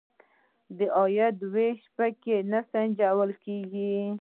د عاید وېش په کې نه سنجول کیږي.